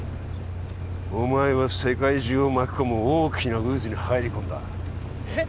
お前は世界中を巻き込む大きな渦に入り込んだえっ？